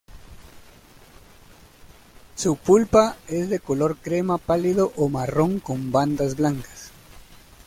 Su pulpa es de color crema pálido o marrón con bandas blancas.